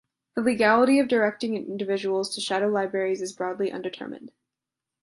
The legality of directing individuals to shadow libraries is broadly undetermined.